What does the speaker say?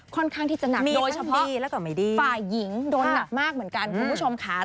ค่อนข้างที่จะหนักโดยเฉพาะฝ่ายหญิงโดนหนักมากเหมือนกันคุณผู้ชมค่ะ